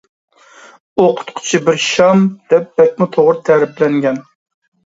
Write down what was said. «ئوقۇتقۇچى بىر شام» دەپ بەكمۇ توغرا تەرىپلەنگەن.